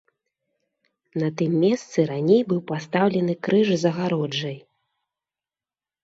На тым месцы раней быў пастаўлены крыж з агароджай.